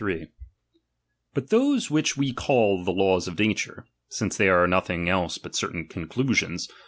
But those which we call the laws of nature, The uw or : (fflnee they are nothing else but certain conclusions, erijsiaw.